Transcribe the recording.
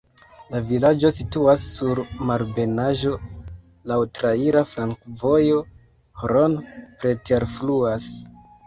La vilaĝo situas sur malebenaĵo, laŭ traira flankovojo, Hron preterfluas.